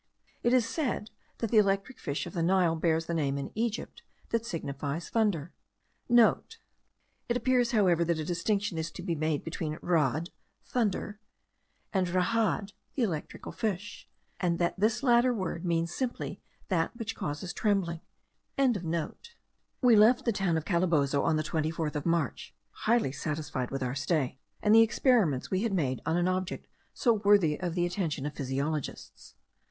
It is said, that the electric fish of the Nile bears a name in Egypt, that signifies thunder.* (* It appears, however, that a distinction is to be made between rahd, thunder, and rahadh, the electrical fish; and that this latter word means simply that which causes trembling.) We left the town of Calabozo on the 24th of March, highly satisfied with our stay, and the experiments we had made on an object so worthy of the attention of physiologists.